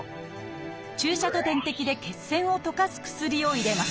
注射と点滴で血栓を溶かす薬を入れます